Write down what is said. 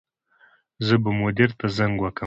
زه به مدیر ته زنګ وکړم